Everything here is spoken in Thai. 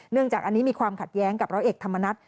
จากอันนี้มีความขัดแย้งกับร้อยเอกธรรมนัฐ